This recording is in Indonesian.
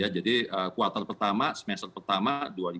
jadi kuartal pertama semester pertama